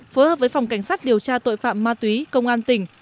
phối hợp với phòng cảnh sát điều tra tội phạm ma túy công an tỉnh